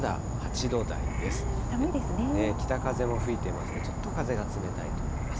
北風も吹いていますので、ちょっと風が冷たいと思います。